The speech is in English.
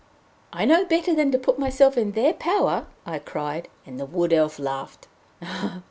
"I know better than to put myself in their power," I cried, and the Wood Elf laughed.